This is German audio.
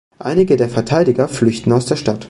Einige der Verteidiger flüchten aus der Stadt.